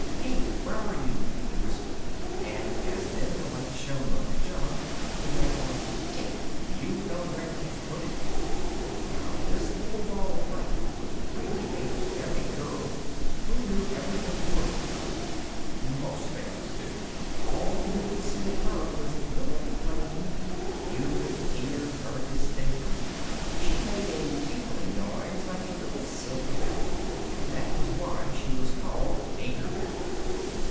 "Tink, where are you?" he whispered, and as then the light shone on the jug he went on: "Tink, do you know where they have put it?" Now this little ball of light was really a fairy girl who knew everything worth knowing. Most fairies do. All you could see of her was the little flame, but you could hear her distinctly, she made a tinkling noise like a little silver bell, and that was why she was called Tinker Bell.